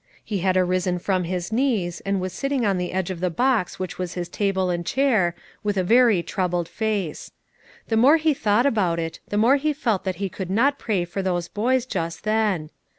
He had arisen from his knees, and was sitting on the edge of the box which was his table and chair, with a very troubled face. The more he thought about it, the more he felt that he could not pray for those boys just then.